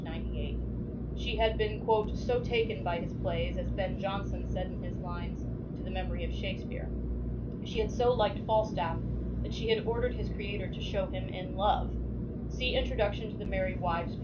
98) ; she had been *' so taken " by his plays, as Ben Jonson said in his lines '*To the Memory of Shakspere"; she had so liked Falstaff that she had orderd his creator to show him in love {see Introduction to The Merry Wives, p.